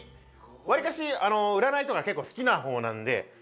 割かし占いとか結構好きな方なんで。